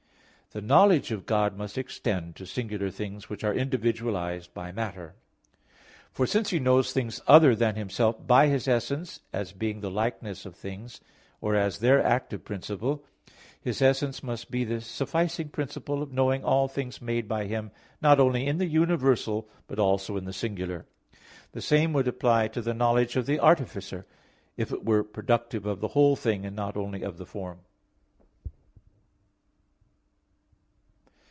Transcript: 2), the knowledge of God must extend to singular things, which are individualized by matter. For since He knows things other than Himself by His essence, as being the likeness of things, or as their active principle, His essence must be the sufficing principle of knowing all things made by Him, not only in the universal, but also in the singular. The same would apply to the knowledge of the artificer, if it were productive of the whole thing, and not only of the form.